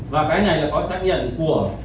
và cái này là có xác nhận của